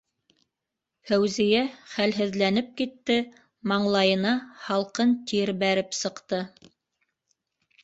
- Фәүзиә, хәлһеҙләнеп китте, маңлайына һалҡын тир бәреп сыҡты.